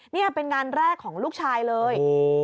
นี่เป็นงานแรกของลูกชายเลย